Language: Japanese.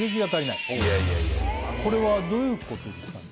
いやいやこれはどういうことですかね？